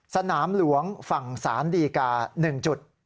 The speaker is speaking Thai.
สนามหลวงฝั่งสารดีกา๑จุด